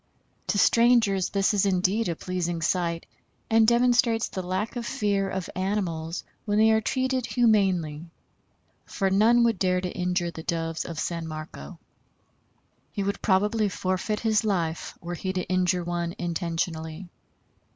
To strangers this is indeed a pleasing sight, and demonstrates the lack of fear of animals when they are treated humanely, for none would dare to injure the doves of San Marco. He would probably forfeit his life were he to injure one intentionally.